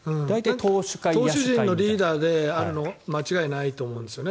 投手陣のリーダーであるのは間違いないと思うんですね。